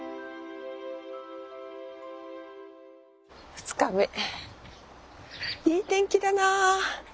２日目いい天気だな！